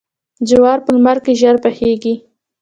جوار په لمر کې ژر پخیږي.